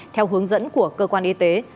theo hướng dẫn của cơ quan y tế